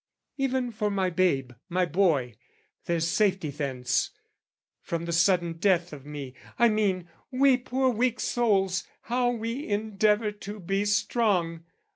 Even for my babe, my boy, there's safety thence From the sudden death of me, I mean; we poor Weak souls, how we endeavour to be strong!